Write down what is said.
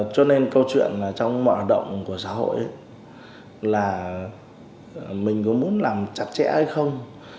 cho nên câu chuyện trong mọi hoạt động của xã hội là mình có muốn làm chặt chẽ hay không